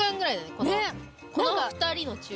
この２人の中間。